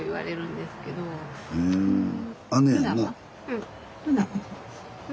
うん。